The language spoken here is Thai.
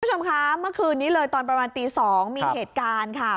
คุณผู้ชมคะเมื่อคืนนี้เลยตอนประมาณตี๒มีเหตุการณ์ค่ะ